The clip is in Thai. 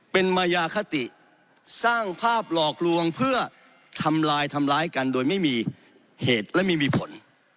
เป็นมายาคติสร้างภาพหลอกลวงเพื่อทำลายทำร้ายกันโดยไม่มีเหตุและไม่มีผล